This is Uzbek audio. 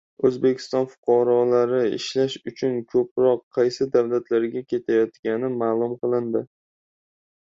O‘zbekiston fuqarolari ishlash uchun ko‘proq qaysi davlatlarga ketayotgani ma’lum qilindi